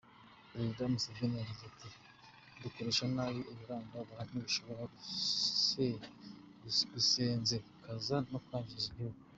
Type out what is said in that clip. Perezida Museveni yagize ati “Gukoresha nabi ibiranga abantu bishobora gusenzekaza no kwangiza igihugu.